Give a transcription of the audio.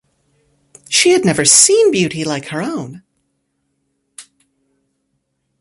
She had never seen beauty like her own.